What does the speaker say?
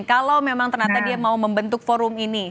kalau memang ternyata dia mau membentuk forum ini